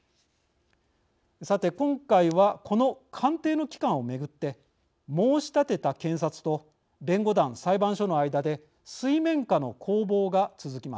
さて今回はこの鑑定の期間を巡って申し立てた検察と弁護団裁判所の間で水面下の攻防が続きました。